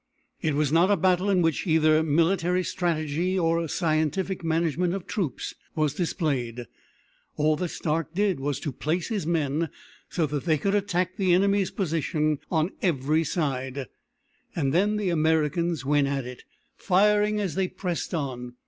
It was not a battle in which either military strategy or a scientific management of troops was displayed. All that Stark did was to place his men so that they could attack the enemy's position on every side, and then the Americans went at it, firing as they pressed on.